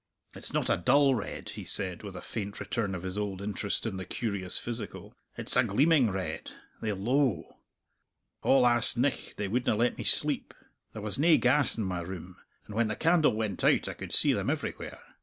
It's not a dull red," he said, with a faint return of his old interest in the curious physical; "it's a gleaming red. They lowe. A' last nicht they wouldna let me sleep. There was nae gas in my room, and when the candle went out I could see them everywhere.